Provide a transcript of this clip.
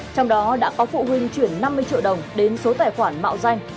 trong đó đã có phụ huynh chuyển năm mươi triệu đồng đến số tài khoản mạo danh